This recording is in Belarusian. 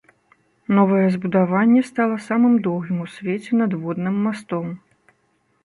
Новае збудаванне стала самым доўгім у свеце надводным мастом.